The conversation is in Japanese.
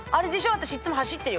私いつも走ってるよ